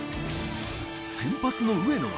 先発の上野は。